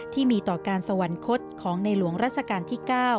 ที่มีต่อการสวรรคตของในหลวงรัชกาลที่๙